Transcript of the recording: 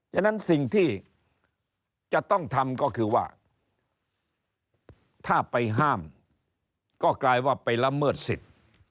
ฉะนั้นสิ่งที่จะต้องทำก็คือว่าถ้าไปห้ามก็กลายว่าไปละเมิดสิทธิ์